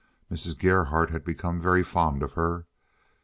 Mrs. Gerhardt had become very fond of her.